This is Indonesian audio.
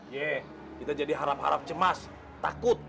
yeh kita jadi harap harap cemas takut